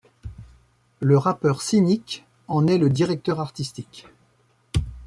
Le rappeur Sinik en est le directeur artistique.